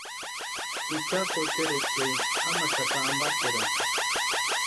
Jucha jocheri echerini jamaxaka ampakerani.